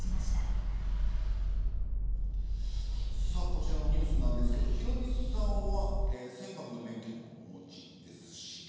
こちらのニュースですがヒロミさんは船舶の免許もお持ちです。